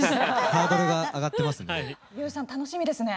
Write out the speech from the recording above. ハードルが上がっていますね。